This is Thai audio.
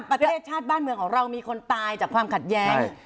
ประเทศชาติบ้านเมืองของเรามีคนตายจากความขัดแย้ง